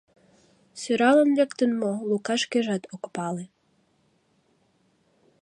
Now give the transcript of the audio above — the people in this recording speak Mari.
Сӧралын лектын мо, Лука шкежат ок пале.